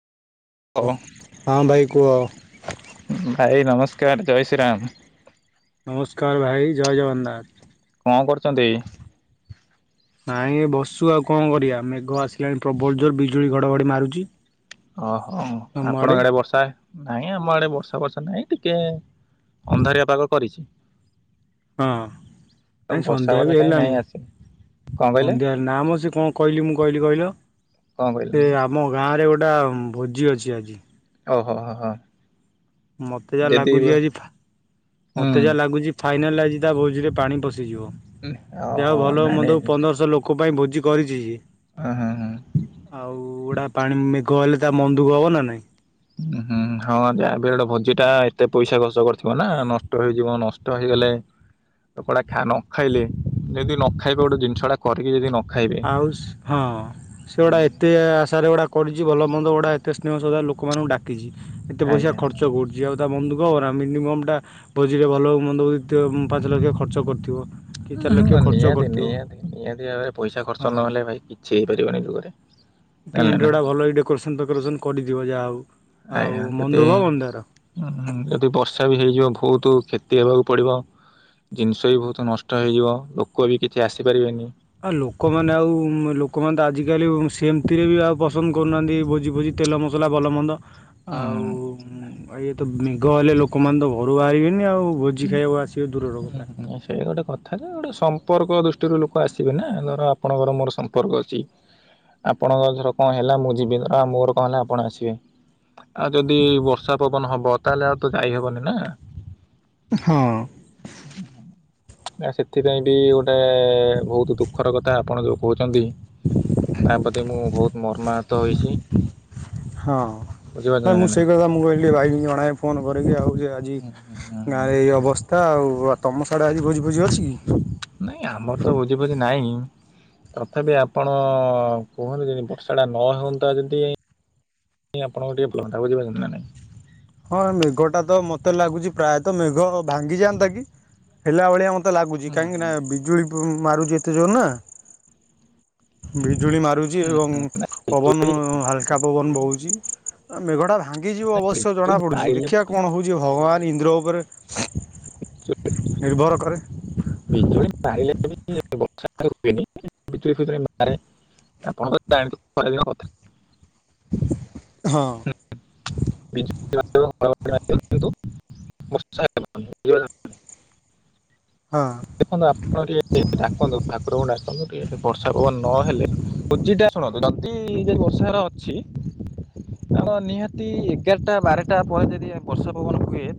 ହ ହଁ ଭାଇ କୁହ। ଭାଇ ନମସ୍କାର। ସ୍କାର ଜୟ ଶ୍ରୀରାମ। ନମସ୍କାର ଭାଇ ଜୟ ଜଗନ୍ନାଥ। କଣ କରୁଛନ୍ତି? ନାଇଁ ଏ ବସୁ ଆଉ କଣ କରିବା ମେଘ ଆସିଲାଣି ପ୍ରବଳ ଜୋର ବିଜୁଳି ଘଡ଼ଘଡି ମାରୁଛି। ଓହ ଆପଣଙ୍କ ଆଡେ ବର୍ଷା ନାଇଁ ଆମ ଆଡ଼େ ବର୍ଷା ଫର୍ଷା ନାହିଁ ଟିକେ ଅନ୍ଧାରଆ ପାଗ କରିଛି। ହଁ ନାଇଁ ବର୍ଷା ସନ୍ଧ୍ୟା ବର୍ଷା ବି କାହିଁ ହେଲାଣି। ନାହିଁ ଆସିନି କଣ କହିଲେ ସନ୍ଧ୍ୟାର ନା ମ ସେ କଣ କହିଲି ମୁଁ କହିଲି କହିଲ କଣ କହିଲେ ସେ ଆମ ଗାଁରେ ଗୋଟେ ଗୋଟା ଭୋଜି ଅଛି ଆଜି। ଓହୋ-ହୋ-ହୋ। ମତେ ଯାହା ଲାଗୁଛି ଆଜି ମତେ ଯାହା ଲାଗୁଛି ଫାଇନାଲ ଆଜି ତା ଭୋଜିରେ ପାଣି ପଶିଯିବ ଯା ଓହୋ ହଉ ଭଲ ହଉ ନାଇଁ ନାଇଁ ମନ୍ଦ ହଉ ପନ୍ଦରଶହ ଲୋକ ପାଇଁ ଭୋଜି କରିଛି ସିଏ। ହୁଁ ହୁଁ ହୁଁ ଆଉ ଗଡା ପାଣି ମେଘ ହେଲେ ତା ମନ୍ ଦୁଃଖ ହବ ନା ନାଇଁ। ହୁଁ। ହୁଁ ହଁ ଯାବି ହେଲେଟା ଭୋଜି ଟା ଏତେ ପଇସା ଖର୍ଚ୍ଚ କରିଥିବ ନା ନଷ୍ଟ ହେଇଯିବ ନଷ୍ଟ ହେଇଗଲେ କପଡା ଖ ନ ଖାଇଲେ ଯଦି ନ ଖାଇବେ ଗୋଟେ ଜିନିଷଟା କରିକି ଯଦି ନ ଖାଇବେ ଆଉ ହଁ ସେଗୁଡା ଏତେ ଆଶାରେ ଗୁଡା କରିଛି ଭଲ ମନ୍ଦ ଗୁଡା ଏତେ ସ୍ନେହ ଶ୍ରଦ୍ଧା ଲୋକମାନଙ୍କୁ ଡାକିଛି ଏତେ ପଇସା ଖର୍ଚ୍ଚ କରୁଛି ଆଉ ମନ୍ ଦୁଃଖ ଆଜ୍ଞା ହବନି ମିନିମମ୍ ଟା ଭୋଜିରେ ଭଲ ହଉ ମନ୍ଦ ହଉ ପାଞ୍ଚ ଲକ୍ଷ ଖର୍ଚ୍ଚ କରିଥିବ କି ଚାରି ଲକ୍ଷ ଖର୍ଚ୍ଚ କରିଥିବ ନିହାତି-ନିହାତି-ନିହାତି ଭାବରେ ପଇସା ଖର୍ଚ୍ଚ ହଁ। ନହେଲେ ଭାଇ କିଛି ହେଇପାରିବନି ଏ ଯୁଗରେ। ଜାଣିଲେ ନା ଟେଣ୍ଟ ଭଲ ଡକୋରେସନ ଫେକୋରେସନ କରିଥିବ ଯାହା ହଉ। ଆଉ ଆଜ୍ଞା ମନ ଦୁଃଖ ମନ୍ଦାର ଯଦି-ଯଦି ବର୍ଷା ବି ହେଇଯିବ ବହୁତ କ୍ଷତି ହେବାକୁ ପଡ଼ିବ। ଜିନିଷ ବି ବହୁତ ନଷ୍ଟ ହେଇଯିବ ଲୋକ ବି କିଛି ଆସିପାରିବେନି। ହଁ ଲୋକମାନେ ଆଉ ଲୋକମାନେ ତ ଆଜିକାଲି ସେମତିରେ ବି ଆଉ ପସନ୍ଦ କରୁନାହାନ୍ତି ଭୋଜି ଭୋଜି ତେଲ ମସଲା ଭଲମନ୍ଦ ଆଉ ଇଏ ତ ମେଘ ହେଲେ ଲୋକମାନେ ତ ଘରୁ ବାହାରିବେନି ଆଉ। ଭୋଜି ଖାଇବାକୁ ଆସିବା ଦୂରର କଥା। ତାହେଲେ ଗୋଟେ ସମ୍ପର୍କ ଦୃଷ୍ଟିରୁ ଲୋକ ଆସିବେ ନା ଧର ଆପଣଙ୍କର ମୋର ସମ୍ପର୍କ ଅଛି ଆପଣଙ୍କ ଧର କଣ ହେଲା ମୁଁ ଯିବି ମୋର କଣ ହେଲା ଆପଣ ଆସିବେ। ଆଉ ଯଦି ବର୍ଷା ପବନ ହବ ତାହେଲେ ଆଉ ତ ଯାଇ ହେବନି ନା। ହଁ। ନା ସେଥିପାଇଁ ବି ଗୋଟେ ବହୁତ ଦୁଃଖର କଥା ଆପଣ ଯୋଉ କହୁଛନ୍ତି। ତା ପ୍ରତି ମୁଁ ବହୁତ ମର୍ମାହତ ହୋଇଛି। ହଁ ବୁଝିପାରୁଛନ୍ତି ନାଇଁ ମୁଁ ନା ସେଇ କଥା ମୁଁ ଭାବିଲି ଭାଇକି ଜଣଏ ଫୋନ କରିକି ଆଉ ଆଜି ହୁଁ ହୁଁ ହୁଁ ଗାଁରେ ଏ ହୁଁ। ଅବସ୍ଥା ଆଉ ଆଉ ତମ ସଢ଼େ ଆଜି ଭୋଜି ଫୋଜି ଅଛି କି? ନାଇଁ ଆମର ତ ଭୋଜି ଫୋଜି ନାହିଁ। ତଥାପି ଆପଣ କୁହନ୍ତୁ ଯଦି ବର୍ଷା ଟା ନ ହଅନ୍ତା ଯଦି ନଁ ଆପଣଙ୍କ ଟିକେ ଭଲ [unintelligible] ବୁଝି ପାରିଲେ ନା ନାଇଁ ହଁ ମେଘ ଟା ତ ମତେ ଲାଗୁଚ ପ୍ରାୟତଃ ମେଘ ଭାଙ୍ଗିଯାଆନ୍ତା କି ହେଲା ଭଳିଆ ମତେ ମତେ ଲାଗୁଚି ହୁଁ କାହିଁକିନା ହୁଁ ବିଜୁଳି ମାରୁଚି ନା ଏତେ ଜୋରେ ବି ଜୁଳି ମାରୁଚି ହୁଁ ଏବଂ ହୁଁ ନା, ପବନ ବିଜୁଳି ହାଲକା ପବନ ବୋହୁଚି ମେଘଟା ଭା ଭାଙ୍ଗିଯିବ ଅବଶ୍ୟ ବିଜୁଳି ଜଣାପଡ଼ୁଛି ମାଇଲେ ଦେଖିବା କଣ ହେଉଛି ଭଗବାନ ଇନ୍ଦ୍ର ଉପରେ ନିର୍ଭର [unintelligible] କରେ ବିଜୁଲି ମାଇଲ ବର୍ଷା ହୁଏନି କି ବିଜୁଳି ଫିଜୁଳି ମାରେ ଆପଣ [unintelligible] ଜାଣିଥିବେ ଖରା ଦିନ କଥା। ହଁ। [unintelligible] ହଁ। ଦେଖନ୍ତୁ ଆପଣ ଟିକେ ଡାକନ୍ତୁ ଠାକୁରଙ୍କୁ ଡାକନ୍ତୁ ଟିକେ ବର୍ଷା ପବନ ନହଲେ ଭୋଜିଟା ଶୁଣନ୍ତୁ ତି ଯେ ବର୍ଷାରେ ଅଛି ତାର ନିହାତି ଏଗାରଟା ବାରଟା ପରେ ଯଦି ଯାଏ ବର୍ଷା ପବନ ହୁଏ।